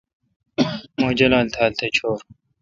مہ جولال تھال تھ چور